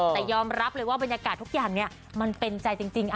แต่ยอมรับเลยว่าบรรยากาศทุกอย่างมันเป็นใจจริง